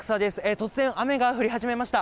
突然雨が降り始めました。